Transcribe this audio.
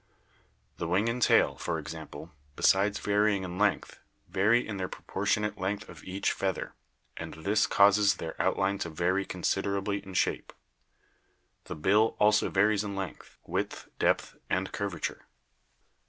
The wing and tail, for ex ample, besides varying in length, vary in the proportionate length of each feather, and this causes their outline to vary considerably in shape. The bill also varies in length, width, depth and curvature.